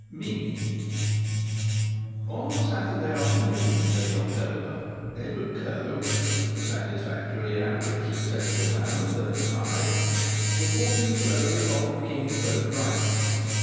MIMI I On a Saturday afternoon in late October Edward Coe, a satisfactory average successful man of thirty five, was walking slowly along the King's Road, Brighton.